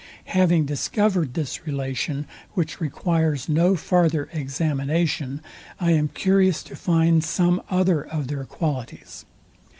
Having discovered this relation, which requires no farther examination, I am curious to find some other of their qualities.